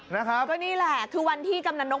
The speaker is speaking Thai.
นะครับก็นี่แหละคือวันที่กำนันนก